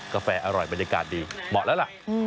กาแฟอร่อยบรรยากาศดีเหมาะแล้วล่ะ